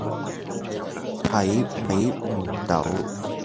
睇唔到